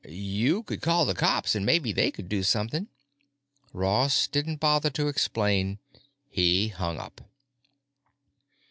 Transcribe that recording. You could call the cops an' maybe they could do something——" Ross didn't bother to explain. He hung up.